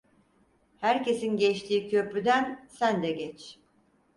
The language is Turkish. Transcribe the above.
Herkesin geçtiği köprüden sen de geç.